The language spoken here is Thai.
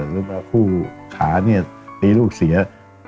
หรือว่าผู้ขาตีลูกเสีย